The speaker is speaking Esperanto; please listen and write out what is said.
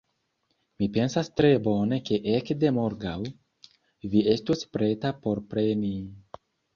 Mi pensas tre bone ke ekde morgaŭ, vi estos preta por preni...